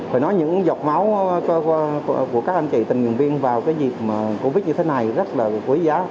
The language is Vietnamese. phải nói những giọt máu của các anh chị tình nguyện viên vào cái dịp covid như thế này rất là quý giá